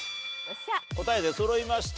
答え出そろいました。